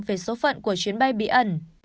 về số phận của chuyến bay bí ẩn